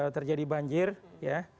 terjadi banjir ya